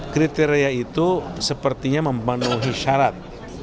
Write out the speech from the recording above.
kriteria itu sepertinya memenuhi syarat